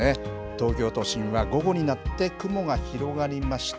東京都心は午後になって、雲が広がりました。